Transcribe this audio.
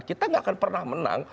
kita gak akan pernah menang